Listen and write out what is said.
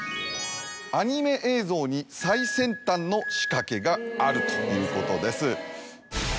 「アニメ映像に最先端の仕掛けがある」ということです。